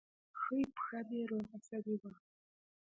ښۍ پښه مې روغه سوې وه.